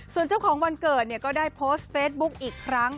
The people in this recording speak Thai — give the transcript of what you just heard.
ส่วนเจ้าของวันเกิดก็ได้โพสต์เฟสบุ๊กอีกครั้ง